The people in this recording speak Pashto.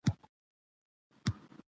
فرهنګ د ټولني د ارزښتونو تله ده.